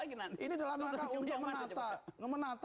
ini dalam rangka untuk menata